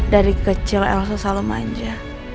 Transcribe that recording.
dari kecil elsa selalu manja